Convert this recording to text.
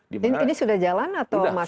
jadi ini sudah jalan atau masih